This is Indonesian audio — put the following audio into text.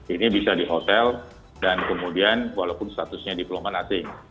ini bisa di hotel dan kemudian walaupun statusnya diplomat asing